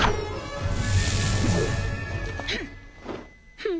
フッ。